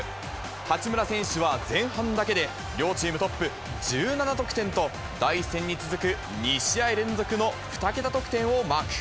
八村選手は前半だけで両チームトップ、１７得点と、第１戦に続く、２試合連続の２桁得点をマーク。